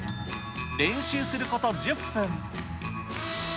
練習すること１０分。